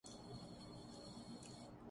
یہ چند کردار ہیں۔